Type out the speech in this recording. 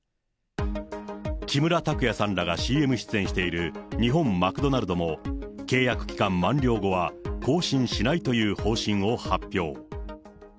木村拓哉さんらがＣＭ出演している日本マクドナルドも、契約期間満了後は更新しないという方針を発表。